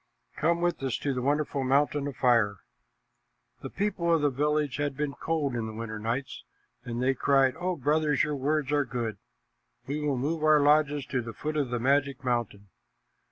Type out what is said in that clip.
Come with us to the wonderful mountain of fire." The people of the village had been cold in the winter nights, and they cried, "O brothers, your words are good. We will move our lodges to the foot of the magic mountain.